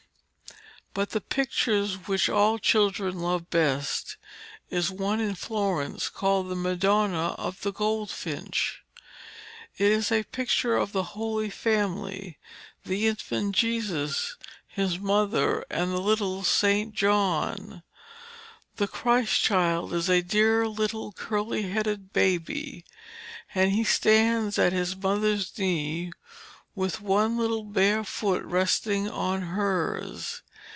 But the picture which all children love best is one in Florence called 'The Madonna of the Goldfinch.' It is a picture of the Holy Family, the Infant Jesus, His mother, and the little St. John. The Christ Child is a dear little curly headed baby, and He stands at His mother's knee with one little bare foot resting on hers.